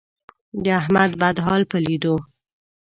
د احمد بد حال په لیدو،